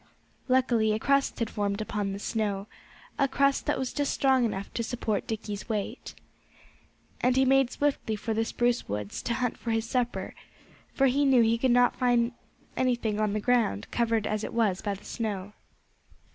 Luckily a crust had formed upon the snow a crust that was just strong enough to support Dickie's weight. And he made swiftly for the spruce woods, to hunt for his supper, for he knew he could find nothing on the ground, covered as it was by the snow.